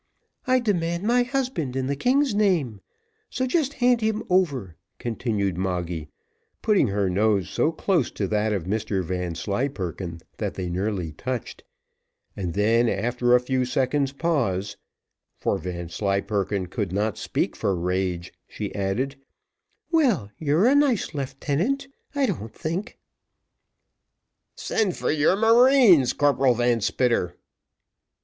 I demand my husband in the king's name, so just hand him over," continued Moggy, putting her nose so close to that of Mr Vanslyperken that they nearly touched, and then after a few seconds' pause, for Vanslyperken could not speak for rage, she added, "Well, you're a nice leeftenant, I don't think." "Send for your marines, Corporal Van Spitter."